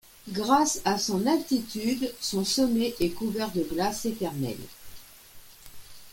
Grâce à son altitude, son sommet est couvert de glaces éternelles.